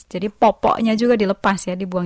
jadi popoknya juga dilepas ya dibuang